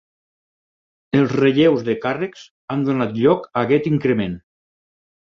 Els relleus de càrrecs han donat lloc a aquest increment.